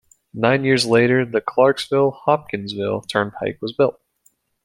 Nine years later, the Clarksville-Hopkinsville Turnpike was built.